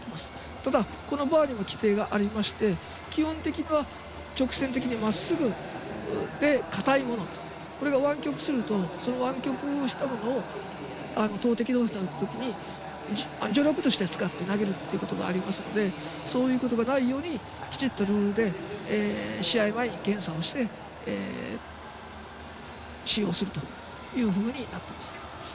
ただ、このバーにも規定がありまして基本的には直線的にまっすぐで硬いもの、これが湾曲するとその湾曲したものを投てき動作のときに助力として使って投げるということもありますのでそういうことがないようにきちっとルールで試合前に検査をして試技をするというふうになっています。